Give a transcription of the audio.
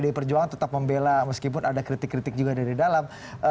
pdi perjuangan tetap membela meskipun ada kritik kritik juga dari dalam